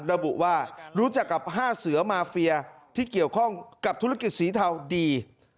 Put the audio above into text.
ระบุว่ารู้จักกับ๕เสือมาเฟียที่เกี่ยวข้องกับธุรกิจสีเทาดี